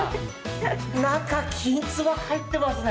中、きんつば入ってますね。